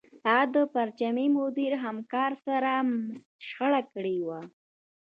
هغه د پرچمي مدیر همکار سره شخړه کړې وه